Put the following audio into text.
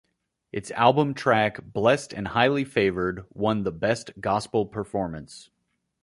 Its album track "Blessed and Highly Favored" won the Best Gospel Performance.